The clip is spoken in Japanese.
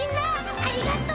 ありがとう！